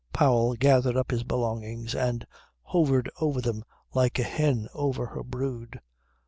Powell gathered up his belongings and hovered over them like a hen over her brood.